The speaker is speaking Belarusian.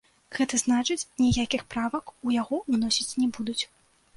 Гэта значыць, ніякіх правак у яго ўносіць не будуць.